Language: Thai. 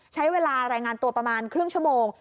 ใช้เวลารายงานตัวประมาณครึ่งชั่วโมง